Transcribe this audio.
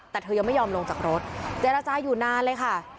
แต่เธอยังไม่ยอมลงจากรถเจรจาอยู่นานเลยค่ะ